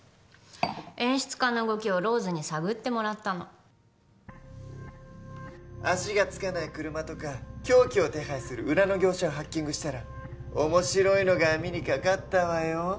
演出家の動きをローズに探ってもらったの足がつかない車とか凶器を手配する裏の業者をハッキングしたら面白いのが網にかかったわよ